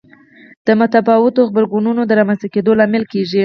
د متفاوتو غبرګونونو د رامنځته کېدو لامل کېږي.